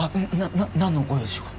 ななんのご用でしょうか？